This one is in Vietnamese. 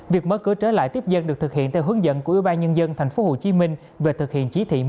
việc mở cửa trở lại tiếp dân được thực hiện theo hướng dẫn của ủy ban nhân dân tp hcm về thực hiện chỉ thị một mươi